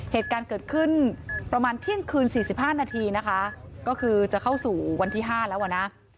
เหตุการณ์เกิดขึ้นประมาณเที่ยงคืน๔๕นาทีนะคะก็คือจะเข้าสู่วันที่๕แล้วอ่ะนะ